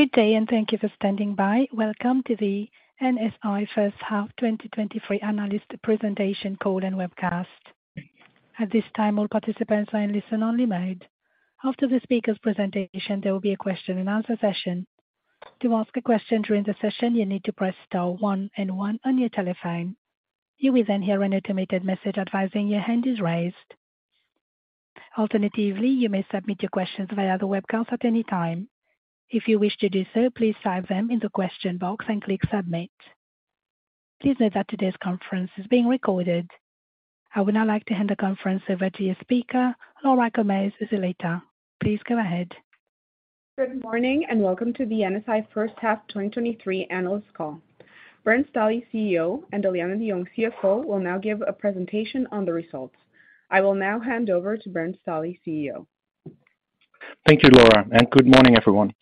Good day, and thank you for standing by. Welcome to the NSI First Half 2023 Analyst Presentation Call and Webcast. At this time, all participants are in listen only mode. After the speaker's presentation, there will be a question and answer session. To ask a question during the session, you need to press star one and one on your telephone. You will then hear an automated message advising your hand is raised. Alternatively, you may submit your questions via the webcast at any time. If you wish to do so, please type them in the question box and click submit. Please note that today's conference is being recorded. I would now like to hand the conference over to your speaker, Laura Gomez Zuleta, Head of Investor Relations, Treasury, and Business Development. Please go ahead. Good morning, and welcome to the NSI First Half 2023 Analyst Call. Bernd Stahli, CEO, and Alianne de Jong, CFO, will now give a presentation on the results. I will now hand over to Bernd Stahli, CEO. Thank you, Laura. Good morning, everyone.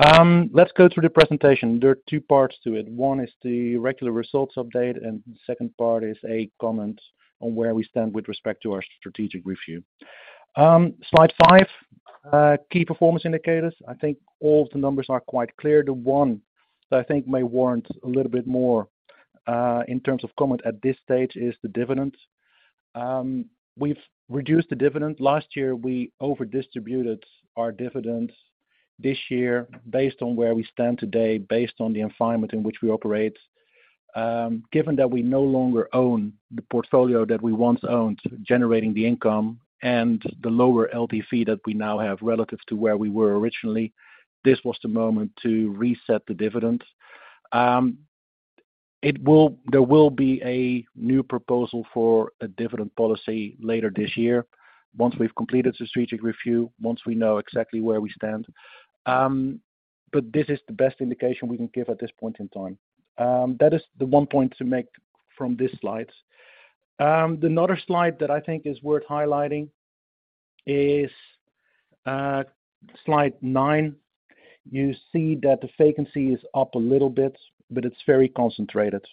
Let's go through the presentation. There are two parts to it. One is the regular results update. The second part is a comment on where we stand with respect to our strategic review. Slide 5, key performance indicators. I think all the numbers are quite clear. The one that I think may warrant a little bit more in terms of comment at this stage, is the dividend. We've reduced the dividend. Last year, we over distributed our dividends. This year, based on where we stand today, based on the environment in which we operate, given that we no longer own the portfolio that we once owned, generating the income and the lower LTV that we now have relative to where we were originally, this was the moment to reset the dividends. There will be a new proposal for a dividend policy later this year once we've completed the strategic review, once we know exactly where we stand. This is the best indication we can give at this point in time. That is the one point to make from this slide. Another slide that I think is worth highlighting is slide 9. You see that the vacancy is up a little bit, but it's very concentrated.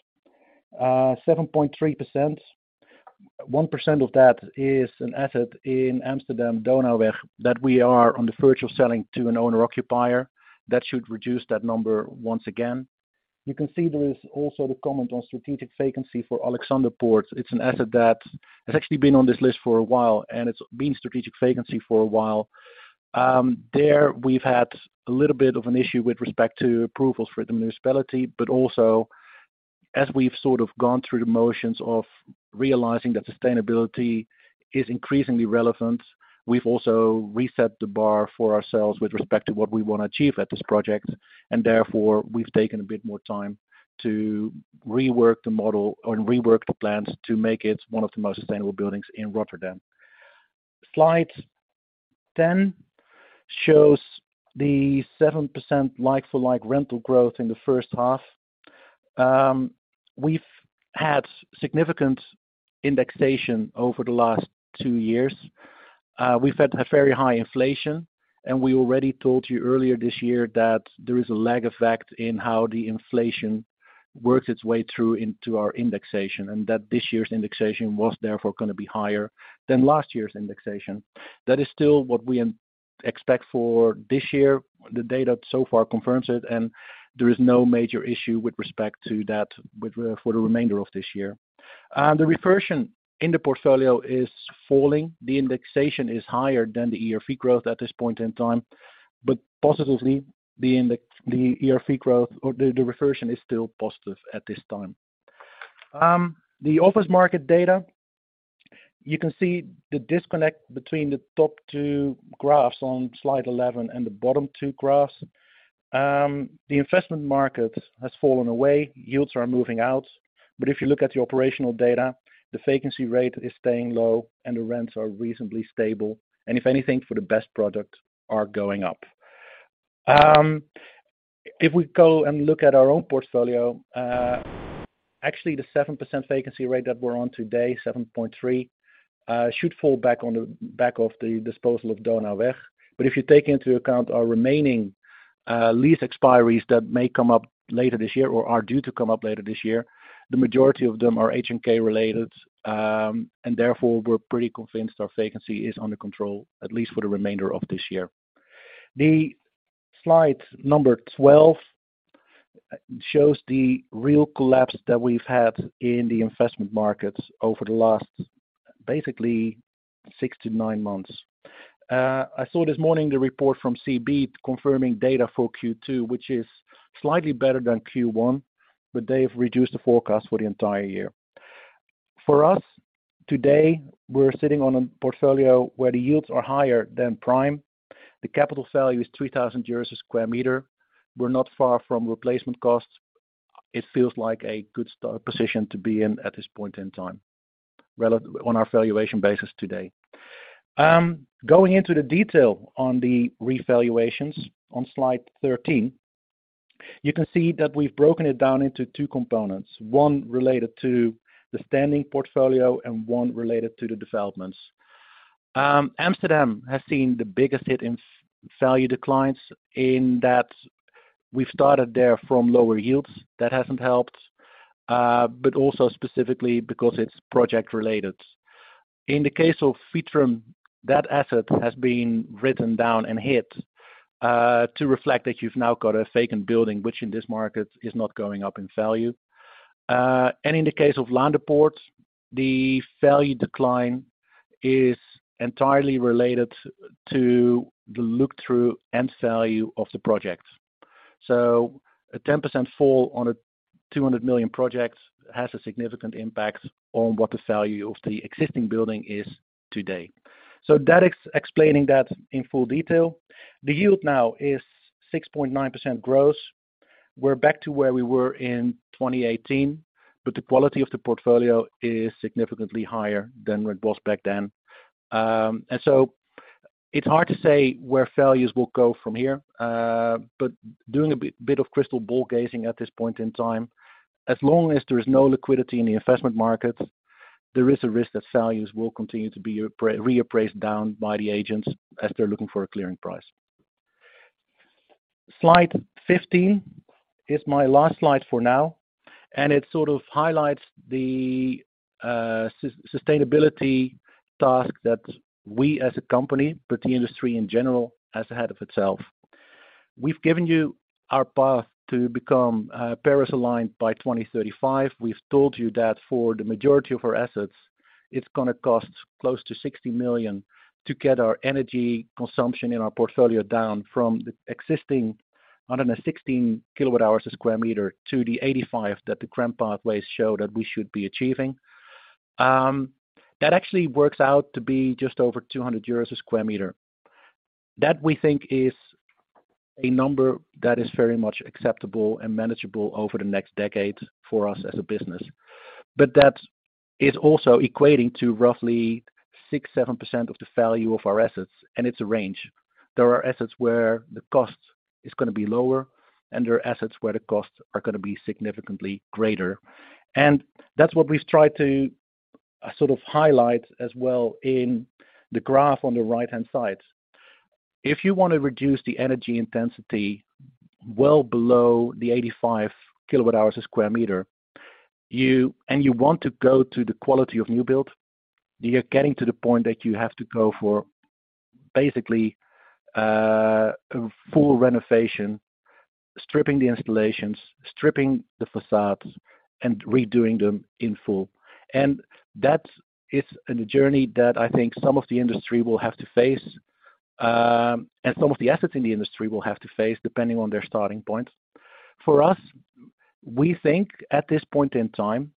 7.3%. 1% of that is an asset in Amsterdam, Donauweg, that we are on the verge of selling to an owner-occupier. That should reduce that number once again. You can see there is also the comment on strategic vacancy for Alexanderpoort. It's an asset that has actually been on this list for a while, and it's been strategic vacancy for a while. There we've had a little bit of an issue with respect to approvals for the municipality. Also, as we've sort of gone through the motions of realizing that sustainability is increasingly relevant, we've also reset the bar for ourselves with respect to what we want to achieve at this project. Therefore, we've taken a bit more time to rework the model and rework the plans to make it one of the most sustainable buildings in Rotterdam. Slide 10 shows the 7% like-for-like rental growth in the first half. We've had significant indexation over the last two years. We've had a very high inflation. We already told you earlier this year that there is a lag effect in how the inflation works its way through into our indexation. That this year's indexation was therefore going to be higher than last year's indexation. That is still what we expect for this year. The data so far confirms it, there is no major issue with respect to that with for the remainder of this year. The reversion in the portfolio is falling. The indexation is higher than the ERV growth at this point in time, positively, the ERV growth or the reversion is still positive at this time. The office market data, you can see the disconnect between the top two graphs on slide 11 and the bottom two graphs. The investment market has fallen away. Yields are moving out, if you look at the operational data, the vacancy rate is staying low, the rents are reasonably stable, if anything, for the best product, are going up. If we go and look at our own portfolio, actually, the 7% vacancy rate that we're on today, 7.3, should fall back on the back of the disposal of Donauweg. If you take into account our remaining lease expiries that may come up later this year or are due to come up later this year, the majority of them are HNK related, we're pretty convinced our vacancy is under control, at least for the remainder of this year. The slide number 12 shows the real collapse that we've had in the investment markets over the last, basically, 6-9 months. I saw this morning the report from CBRE confirming data for Q2, which is slightly better than Q1, but they've reduced the forecast for the entire year. For us, today, we're sitting on a portfolio where the yields are higher than prime. The capital value is 3,000 euros a square meter. We're not far from replacement costs. It feels like a good position to be in at this point in time, on our valuation basis today. Going into the detail on the revaluations on slide 13, you can see that we've broken it down into two components, one related to the standing portfolio and one related to the developments. Amsterdam has seen the biggest hit in value declines in that we've started there from lower yields. That hasn't helped. Also specifically because it's project related. In the case of Vitrum, that asset has been written down and hit to reflect that you've now got a vacant building, which in this market is not going up in value. In the case of Laanderpoort, the value decline is entirely related to the look-through end value of the project. A 10% fall on a 200 million projects has a significant impact on what the value of the existing building is today. That is explaining that in full detail. The yield now is 6.9% gross. We're back to where we were in 2018, but the quality of the portfolio is significantly higher than it was back then. It's hard to say where values will go from here, but doing a bit of crystal ball gazing at this point in time, as long as there is no liquidity in the investment market, there is a risk that values will continue to be reappraised down by the agents as they're looking for a clearing price. Slide 15 is my last slide for now. It sort of highlights the sustainability task that we, as a company, but the industry in general, has ahead of itself. We've given you our path to become Paris aligned by 2035. We've told you that for the majority of our assets, it's gonna cost close to 60 million to get our energy consumption in our portfolio down from the existing 116 kilowatt-hours a square meter to the 85 that the current pathways show that we should be achieving. That actually works out to be just over 200 euros a square meter. That we think is a number that is very much acceptable and manageable over the next decade for us as a business. That is also equating to roughly 6%, 7% of the value of our assets, and it's a range. There are assets where the cost is gonna be lower, and there are assets where the costs are gonna be significantly greater. That's what we've tried to sort of highlight as well in the graph on the right-hand side. If you want to reduce the energy intensity well below the 85 kilowatt hours a square meter, and you want to go to the quality of new build, you're getting to the point that you have to go for basically a full renovation, stripping the installations, stripping the facades, and redoing them in full. That is a journey that I think some of the industry will have to face, and some of the assets in the industry will have to face, depending on their starting point. For us, we think at this point in time,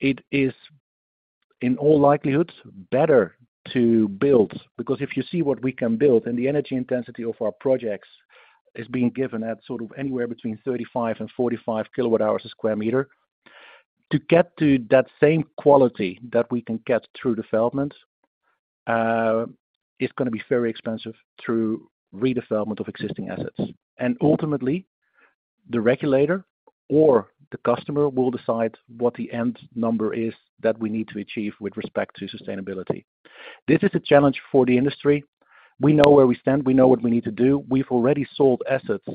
it is in all likelihoods, better to build, because if you see what we can build, and the energy intensity of our projects is being given at sort of anywhere between 35 and 45 kWh a square meter. To get to that same quality that we can get through development, is gonna be very expensive through redevelopment of existing assets. Ultimately, the regulator or the customer will decide what the end number is that we need to achieve with respect to sustainability. This is a challenge for the industry. We know where we stand, we know what we need to do. We've already sold assets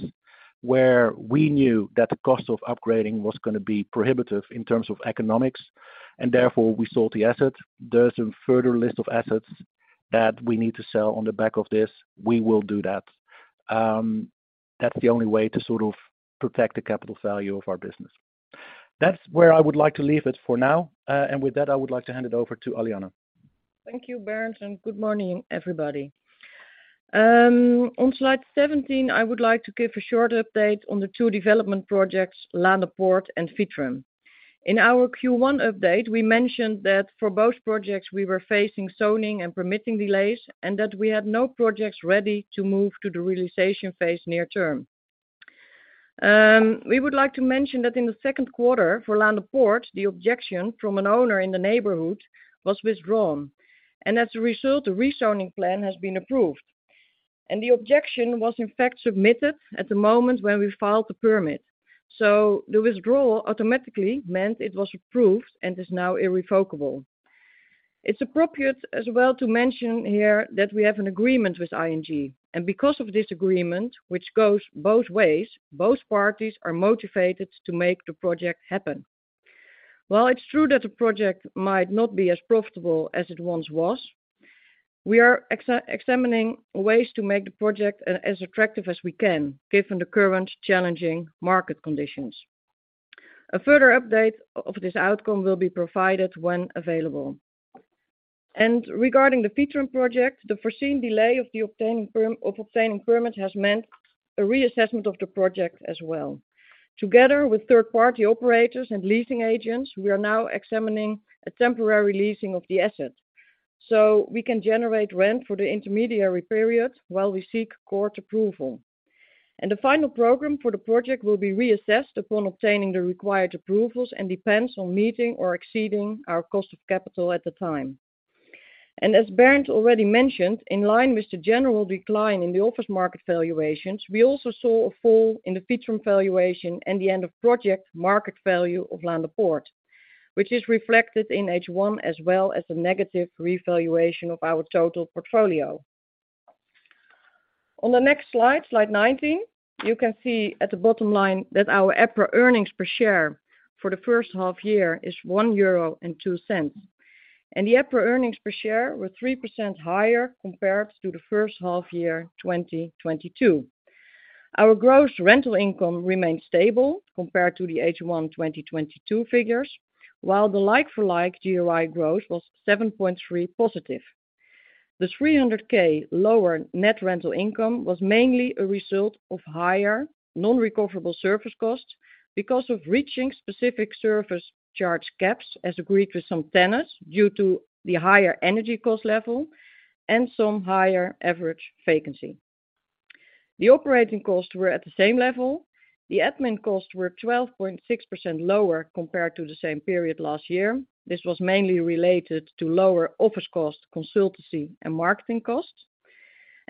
where we knew that the cost of upgrading was gonna be prohibitive in terms of economics, therefore, we sold the asset. There's a further list of assets that we need to sell on the back of this. We will do that. That's the only way to sort of protect the capital value of our business. That's where I would like to leave it for now. With that, I would like to hand it over to Alianne. Thank you, Bernd, and good morning, everybody. On slide 17, I would like to give a short update on the two development projects, Laanderpoort and Vitrum. In our Q1 update, we mentioned that for both projects, we were facing zoning and permitting delays and that we had no projects ready to move to the realization phase near term. We would like to mention that in the Q2 for Laanderpoort, the objection from an owner in the neighborhood was withdrawn, and as a result, the rezoning plan has been approved. The objection was, in fact, submitted at the moment when we filed the permit. The withdrawal automatically meant it was approved and is now irrevocable. It's appropriate as well to mention here that we have an agreement with ING. Because of this agreement, which goes both ways, both parties are motivated to make the project happen. While it's true that the project might not be as profitable as it once was, we are examining ways to make the project as attractive as we can, given the current challenging market conditions. A further update of this outcome will be provided when available. Regarding the Vitrum project, the foreseen delay of obtaining permits has meant a reassessment of the project as well. Together with third-party operators and leasing agents, we are now examining a temporary leasing of the asset. We can generate rent for the intermediary period while we seek court approval. The final program for the project will be reassessed upon obtaining the required approvals and depends on meeting or exceeding our cost of capital at the time. As Bernd already mentioned, in line with the general decline in the office market valuations, we also saw a fall in the Vitrum valuation and the end-of-project market value of Laanderpoort, which is reflected in H1, as well as a negative revaluation of our total portfolio. On the next slide 19, you can see at the bottom line that our EPRA earnings per share for the first half year is 1.02 euro. The EPRA earnings per share were 3% higher compared to the first half year, 2022. Our gross rental income remained stable compared to the H1, 2022 figures, while the like-for-like DOI growth was 7.3% positive. The 300K lower net rental income was mainly a result of higher non-recoverable service costs because of reaching specific service charge caps, as agreed with some tenants, due to the higher energy cost level and some higher average vacancy. The operating costs were at the same level. The admin costs were 12.6% lower compared to the same period last year. This was mainly related to lower office costs, consultancy, and marketing costs.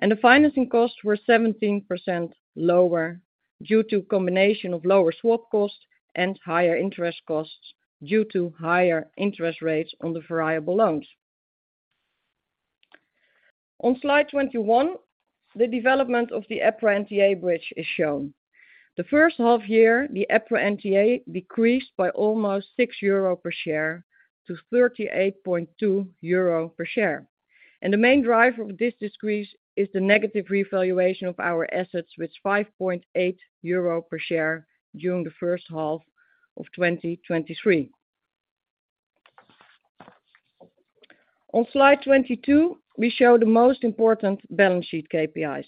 The financing costs were 17% lower due to a combination of lower swap costs and higher interest costs due to higher interest rates on the variable loans. On slide 21, the development of the EPRA NTA bridge is shown. The first half year, the EPRA NTA decreased by almost 6 euro per share to 38.2 euro per share. The main driver of this decrease is the negative revaluation of our assets, with 5.8 euro per share during the first half of 2023. On slide 22, we show the most important balance sheet KPIs.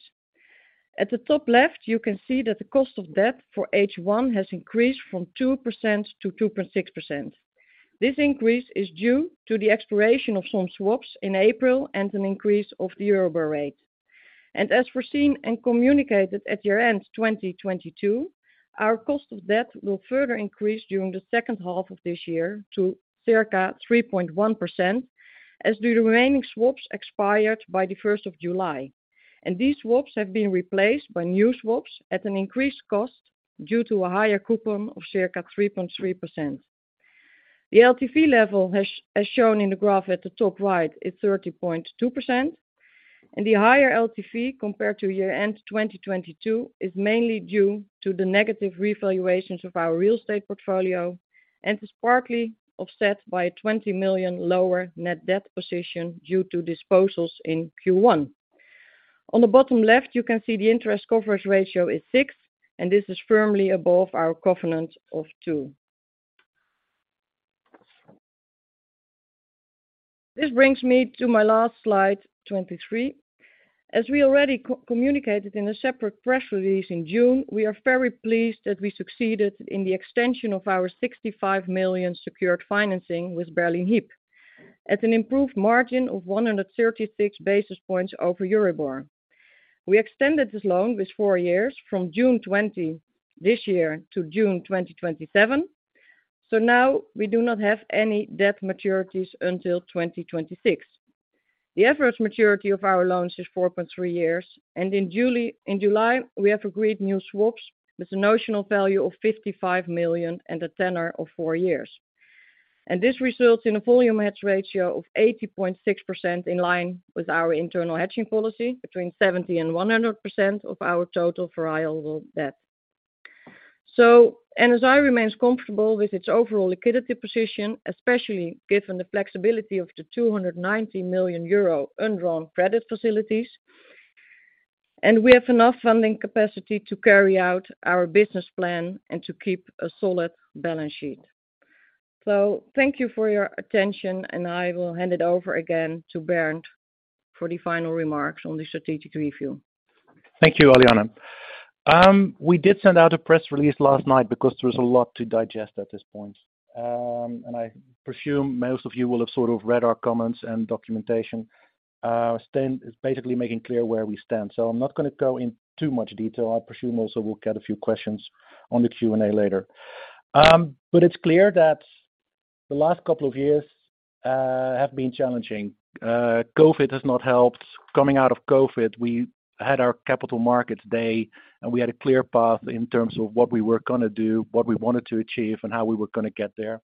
At the top left, you can see that the cost of debt for H1 has increased from 2% to 2.6%. This increase is due to the expiration of some swaps in April and an increase of the Euro rate. As foreseen and communicated at year-end 2022, our cost of debt will further increase during the second half of this year to circa 3.1%, as the remaining swaps expired by the 1st of July. These swaps have been replaced by new swaps at an increased cost due to a higher coupon of circa 3.3%. The LTV level, as shown in the graph at the top right, is 30.2%. The higher LTV compared to year-end 2022, is mainly due to the negative revaluations of our real estate portfolio, is partly offset by a 20 million lower net debt position due to disposals in Q1. On the bottom left, you can see the interest coverage ratio is 6. This is firmly above our covenant of 2. This brings me to my last slide, 23. As we already communicated in a separate press release in June, we are very pleased that we succeeded in the extension of our 65 million secured financing with Berlin Hyp at an improved margin of 136 basis points over Euribor. We extended this loan with 4 years, from June 20 this year to June 2027. Now we do not have any debt maturities until 2026. The average maturity of our loans is 4.3 years. In July, we have agreed new swaps with a notional value of 55 million and a tenor of 4 years. This results in a volume hedge ratio of 80.6%, in line with our internal hedging policy, between 70% and 100% of our total variable debt. NSI remains comfortable with its overall liquidity position, especially given the flexibility of the 290 million euro undrawn credit facilities. We have enough funding capacity to carry out our business plan and to keep a solid balance sheet. Thank you for your attention, and I will hand it over again to Bernd for the final remarks on the strategic review. Thank you, Alianne. We did send out a press release last night because there was a lot to digest at this point. I presume most of you will have sort of read our comments and documentation. Basically making clear where we stand. I'm not going to go into too much detail. I presume also we'll get a few questions on the Q&A later. It's clear that the last couple of years have been challenging. COVID has not helped. Coming out of COVID, we had our Capital Markets Day, and we had a clear path in terms of what we were gonna do, what we wanted to achieve, and how we were gonna get there.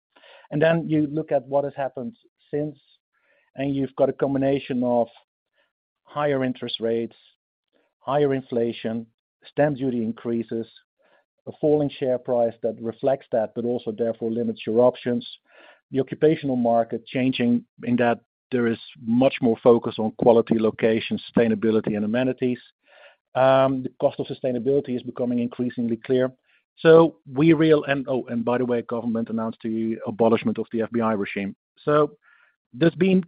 Then you look at what has happened since, and you've got a combination of higher interest rates, higher inflation, stamp duty increases, a falling share price that reflects that, but also therefore limits your options. The occupational market changing in that there is much more focus on quality, location, sustainability and amenities. The cost of sustainability is becoming increasingly clear. Oh, and by the way, government announced the abolishment of the FBI regime. There's been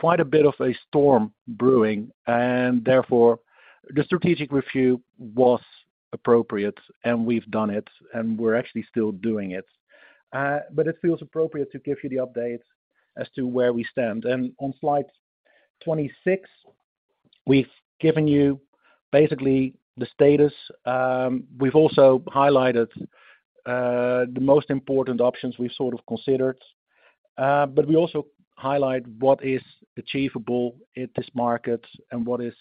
quite a bit of a storm brewing, and therefore, the strategic review was appropriate, and we've done it, and we're actually still doing it. It feels appropriate to give you the update as to where we stand. On slide 26, we've given you basically the status. We've also highlighted the most important options we sort of considered. We also highlight what is achievable in this market and what is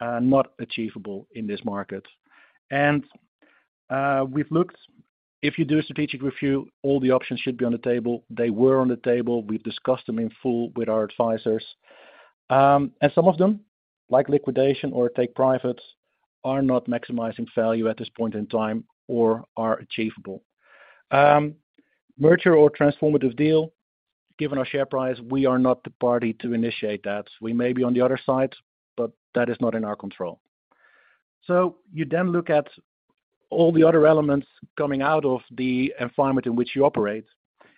not achievable in this market. We've looked. If you do a strategic review, all the options should be on the table. They were on the table. We've discussed them in full with our advisors. Some of them, like liquidation or take privates, are not maximizing value at this point in time or are achievable. Merger or transformative deal, given our share price, we are not the party to initiate that. We may be on the other side, but that is not in our control. You then look at all the other elements coming out of the environment in which you operate,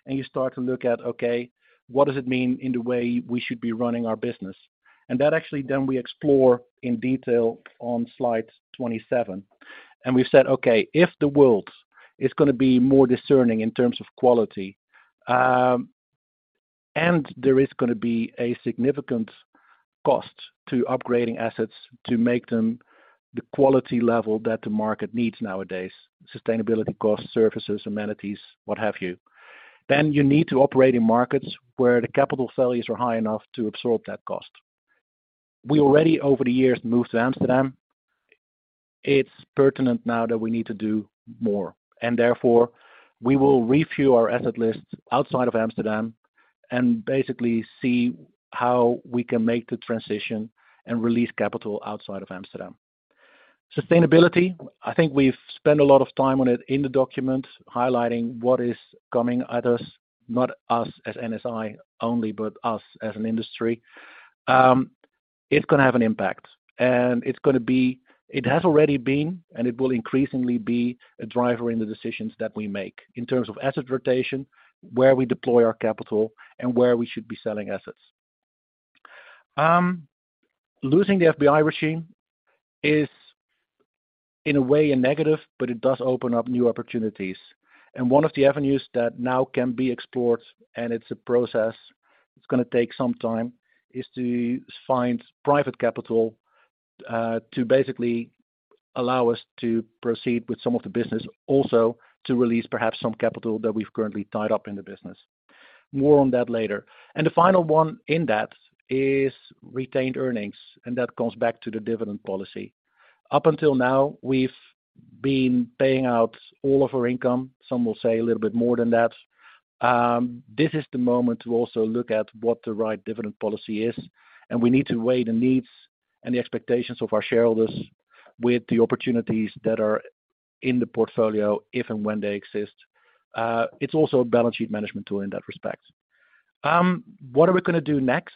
and you start to look at, okay, what does it mean in the way we should be running our business? That actually, then we explore in detail on slide 27. We've said, okay, if the world is gonna be more discerning in terms of quality, and there is gonna be a significant cost to upgrading assets to make them the quality level that the market needs nowadays, sustainability costs, services, amenities, what have you, then you need to operate in markets where the capital values are high enough to absorb that cost. We already, over the years, moved to Amsterdam. It's pertinent now that we need to do more, and therefore, we will review our asset list outside of Amsterdam and basically see how we can make the transition and release capital outside of Amsterdam. Sustainability, I think we've spent a lot of time on it in the document, highlighting what is coming at us, not us as NSI only, but us as an industry. It's gonna have an impact, and it has already been, and it will increasingly be a driver in the decisions that we make in terms of asset rotation, where we deploy our capital, and where we should be selling assets. Losing the FBI regime is, in a way, a negative, but it does open up new opportunities. One of the avenues that now can be explored, and it's a process, it's gonna take some time, is to find private capital to basically allow us to proceed with some of the business, also to release perhaps some capital that we've currently tied up in the business. More on that later. The final one in that is retained earnings, and that comes back to the dividend policy. Up until now, we've been paying out all of our income. Some will say a little bit more than that. This is the moment to also look at what the right dividend policy is, and we need to weigh the needs and the expectations of our shareholders with the opportunities that are in the portfolio, if and when they exist. It's also a balance sheet management tool in that respect. What are we gonna do next?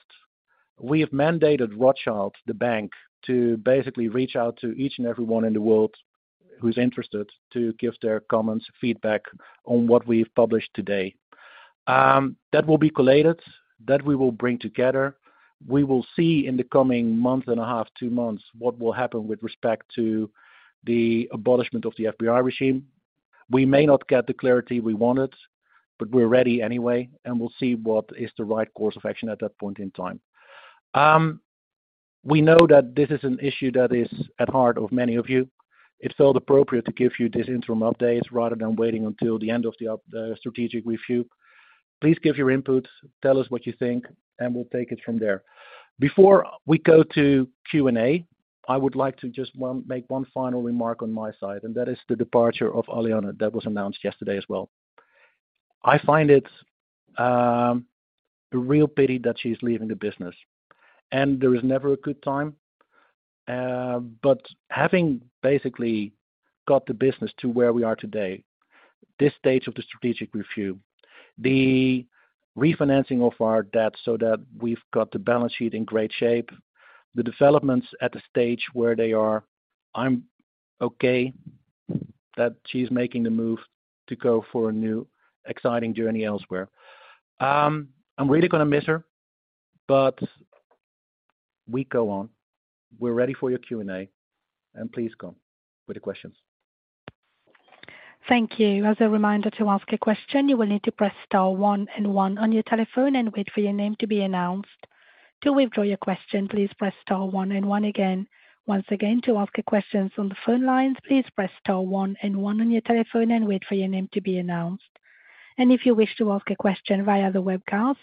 We have mandated Rothschild, the bank, to basically reach out to each and everyone in the world who's interested to give their comments, feedback on what we've published today. That will be collated. That we will bring together. We will see in the coming month and a half, two months, what will happen with respect to the abolishment of the FBI regime. We may not get the clarity we wanted, but we're ready anyway, and we'll see what is the right course of action at that point in time. We know that this is an issue that is at heart of many of you. It felt appropriate to give you this interim update rather than waiting until the end of the strategic review. Please give your input, tell us what you think, and we'll take it from there. Before we go to Q&A, I would like to make one final remark on my side, and that is the departure of Alianne. That was announced yesterday as well. I find it a real pity that she's leaving the business, and there is never a good time. Having basically got the business to where we are today, this stage of the strategic review, the refinancing of our debt so that we've got the balance sheet in great shape, the developments at the stage where they are, I'm okay that she's making the move to go for a new, exciting journey elsewhere. I'm really gonna miss her, we go on. We're ready for your Q&A, please go with the questions. Thank you. As a reminder to ask a question, you will need to press star one and one on your telephone and wait for your name to be announced. To withdraw your question, please press star one and one again. Once again, to ask your questions on the phone lines, please press star one and one on your telephone and wait for your name to be announced. If you wish to ask a question via the webcast,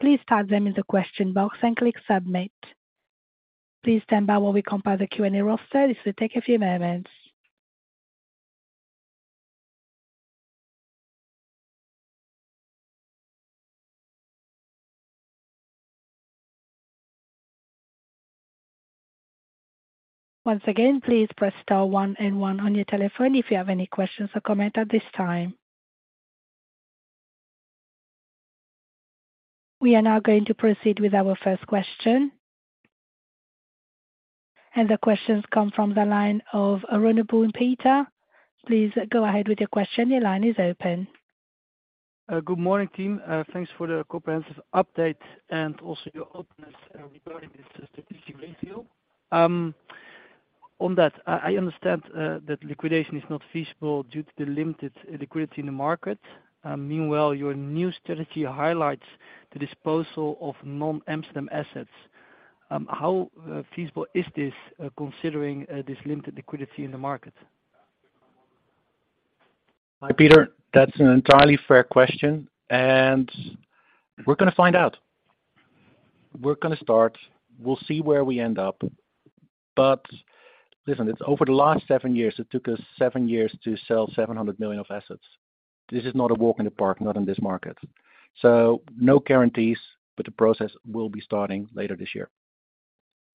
please type them in the question box and click submit. Please stand by while we compile the Q&A roster. This will take a few moments. Once again, please press star one and one on your telephone if you have any questions or comments at this time. We are now going to proceed with our first question. The questions come from the line of Aruna Boon, Peter. Please go ahead with your question. Your line is open. Good morning, team. Thanks for the comprehensive update and also your openness regarding this strategic review. On that, I understand that liquidation is not feasible due to the limited liquidity in the market. Meanwhile, your new strategy highlights the disposal of non-Amsterdam assets. How feasible is this considering this limited liquidity in the market? Hi, Peter. That's an entirely fair question, and we're gonna find out. We're gonna start. We'll see where we end up. Listen, it's over the last seven years, it took us seven years to sell 700 million of assets. This is not a walk in the park, not in this market. No guarantees, but the process will be starting later this year.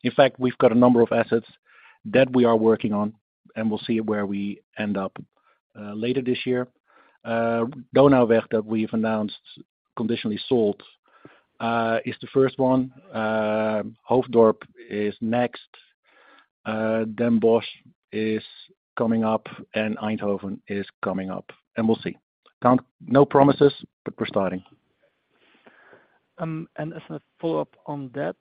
In fact, we've got a number of assets that we are working on, and we'll see where we end up later this year. DonauWeg that we've announced conditionally sold is the first one. Hoofddorp is next, Den Bosch is coming up, and Eindhoven is coming up, and we'll see. No promises, but we're starting. As a follow-up on that,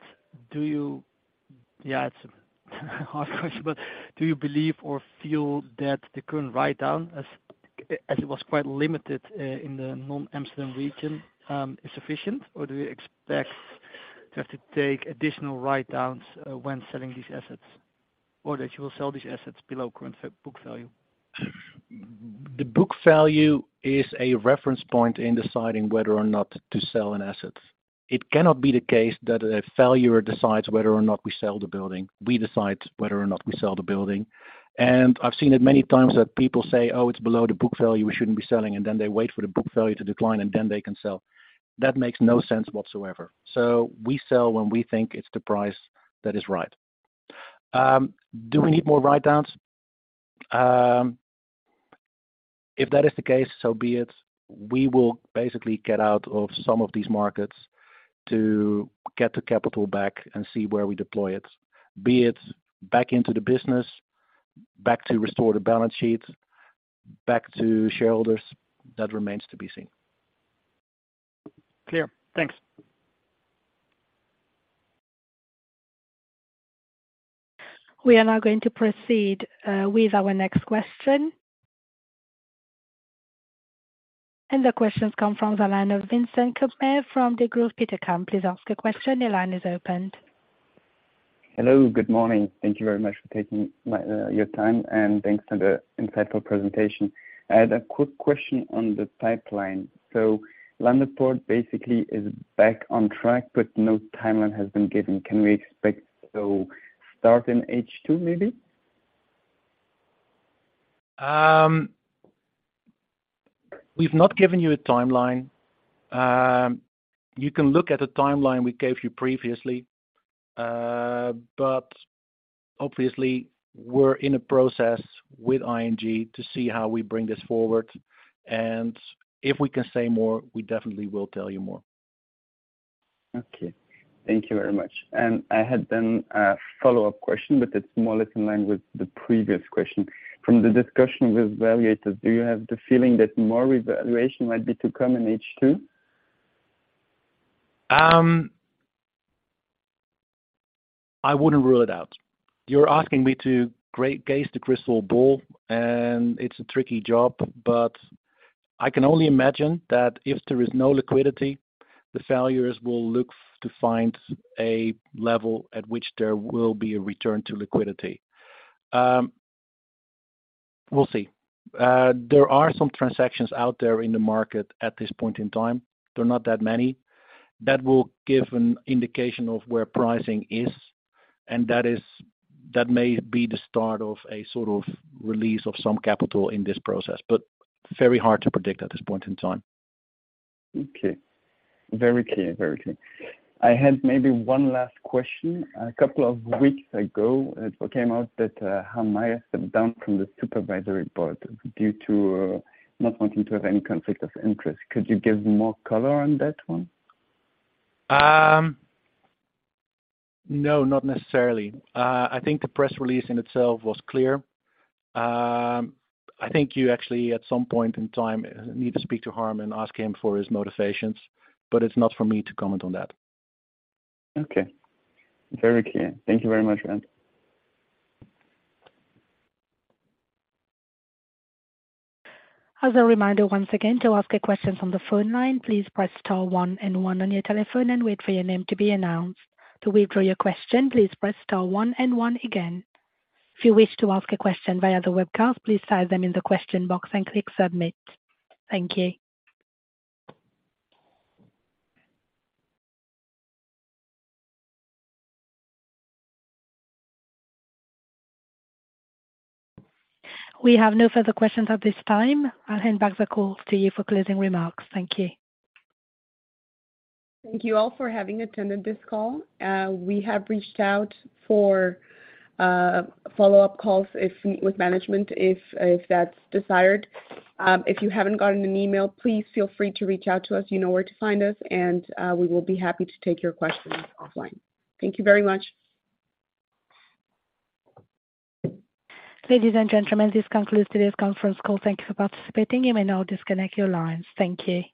Yeah, it's a hard question, but do you believe or feel that the current write-down, as it was quite limited, in the non-Amsterdam region, is sufficient, or do you expect to have to take additional write-downs, when selling these assets, or that you will sell these assets below current book value? The book value is a reference point in deciding whether or not to sell an asset. It cannot be the case that a valuer decides whether or not we sell the building. We decide whether or not we sell the building. I've seen it many times that people say: "Oh, it's below the book value, we shouldn't be selling," and then they wait for the book value to decline, and then they can sell. That makes no sense whatsoever. We sell when we think it's the price that is right. Do we need more write-downs? If that is the case, so be it. We will basically get out of some of these markets to get the capital back and see where we deploy it. Be it back into the business, back to restore the balance sheet, back to shareholders. That remains to be seen. Clear. Thanks. We are now going to proceed with our next question. The question comes from the line of Vincent Koppmair from Degroof Petercam. Please ask a question. The line is opened. Hello, good morning. Thank you very much for taking my, your time, and thanks for the insightful presentation. I had a quick question on the pipeline. Laanderpoort basically is back on track, but no timeline has been given. Can we expect to start in H2, maybe? We've not given you a timeline. You can look at the timeline we gave you previously. Obviously, we're in a process with ING to see how we bring this forward, and if we can say more, we definitely will tell you more. Okay. Thank you very much. I had then a follow-up question, but it's more or less in line with the previous question. From the discussion with valuators, do you have the feeling that more revaluation might be to come in H2? I wouldn't rule it out. You're asking me to gaze the crystal ball, and it's a tricky job, but I can only imagine that if there is no liquidity, the valuers will look to find a level at which there will be a return to liquidity. We'll see. There are some transactions out there in the market at this point in time. They're not that many. That will give an indication of where pricing is, and that may be the start of a sort of release of some capital in this process, but very hard to predict at this point in time. Okay. Very clear. Very clear. I had maybe one last question. A couple of weeks ago, it came out that Harm Meijer stepped down from the supervisory board due to not wanting to have any conflict of interest. Could you give more color on that one? No, not necessarily. I think the press release in itself was clear. I think you actually, at some point in time, need to speak to Harm and ask him for his motivations. It's not for me to comment on that. Okay. Very clear. Thank you very much, Bernd. As a reminder, once again, to ask a question on the phone line, please press star one and one on your telephone and wait for your name to be announced. To withdraw your question, please press star one and one again. If you wish to ask a question via the webcast, please type them in the question box and click Submit. Thank you. We have no further questions at this time. I'll hand back the call to you for closing remarks. Thank you. Thank you all for having attended this call. We have reached out for follow-up calls if with management, if that's desired. If you haven't gotten an email, please feel free to reach out to us. You know where to find us, and we will be happy to take your questions offline. Thank you very much. Ladies and gentlemen, this concludes today's conference call. Thank you for participating. You may now disconnect your lines. Thank you.